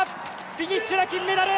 フィニッシュだ金メダル！